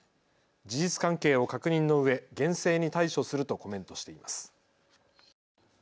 事実関係を確認のうえ、厳正に対処するとコメントしています。